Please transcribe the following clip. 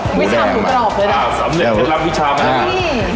หมูแดงมากค่ะสำเร็จเพิ่มรับวิชามาก